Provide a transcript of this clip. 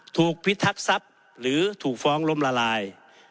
ถูกพิทักษัพหรือถูกฟ้องล้มละลาย